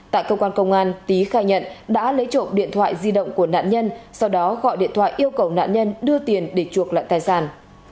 tại cơ quan công an tý khai nhận đã lấy trộm điện thoại di động của nạn nhân sau đó gọi điện thoại yêu cầu nạn nhân đưa tiền để chuộc lại tài sản